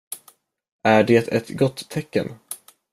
Är det ett gott tecken?